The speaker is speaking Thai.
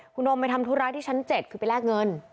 คุณโอมไปทำธุระที่ชั้น๗คือไปแลกเงิน